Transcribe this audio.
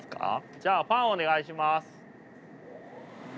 じゃあファンお願いします。